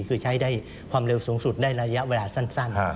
คือใช้ได้ความเร็วสูงสุดได้ระยะเวลาสั้น